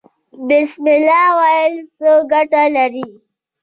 بسم الله ویل څه ګټه لري؟